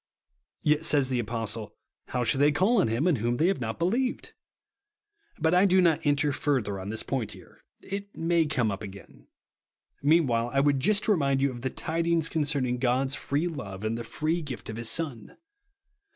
Yet says the Apostle, "How shall they call on him in whom they have not believed V But I do not enter further on this point here. It may come up again. Meanwdiile, T w^ould just remind you of the tidings con cerning God's free love, in the free gift of 1 lis Son.